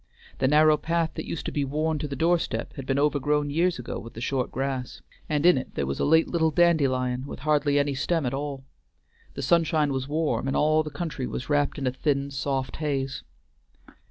The narrow path that used to be worn to the door step had been overgrown years ago with the short grass, and in it there was a late little dandelion with hardly any stem at all. The sunshine was warm, and all the country was wrapped in a thin, soft haze.